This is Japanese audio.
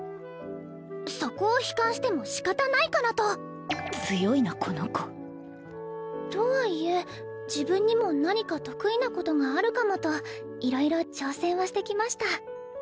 そこを悲観してもしかたないかなと。とはいえ自分にも何か得意なことがあるかもといろいろ挑戦はしてきました。